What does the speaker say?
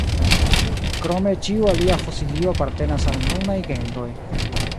Krome ĉiu alia fosilio apartenas al nunaj genroj.